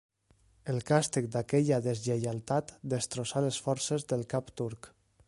En càstig d'aquella deslleialtat destrossà les forces del cap turc.